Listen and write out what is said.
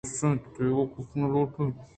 انوں بس اِنت دگہ گپ نہ لوٹیت